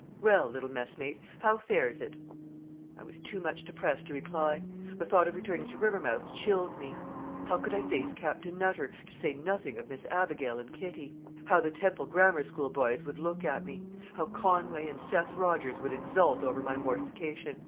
"'Well, little messmate, how fares it?" I was too much depressed to reply. The thought of returning to Rivermouth chilled me. How could I face Captain Nutter, to say nothing of Miss Abigail and Kitty? How the Temple Grammar School boys would look at me! How Conway and Seth Rodgers would exult over my mortification!